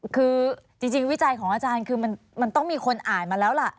คือจริงวิจัยของอาจารย์คือมันต้องมีคนอ่านมาแล้วล่ะ